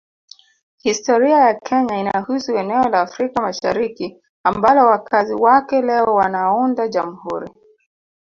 Historia ya Kenya inahusu eneo la Afrika Mashariki ambalo wakazi wake leo wanaunda Jamhuri